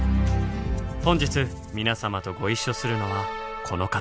本日皆様とご一緒するのはこの方。